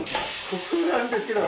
ここなんですけど。